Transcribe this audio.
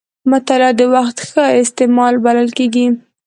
مطالعه د وخت ښه استعمال بلل کېږي.